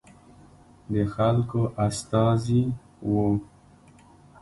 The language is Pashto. د خلکو استازي وو.